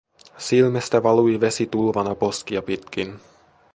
Silmistä valui vesi tulvana poskia pitkin.